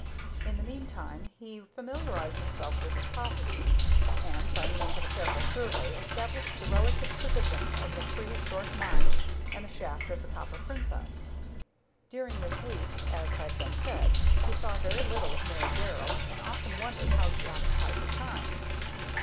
In the meantime he familiarized himself with his property, and, by means of a careful survey, established the relative positions of the prehistoric mine and the shaft of the Copper Princess. During this week, as has been said, he saw very little of Mary Darrell, and often wondered how she occupied her time.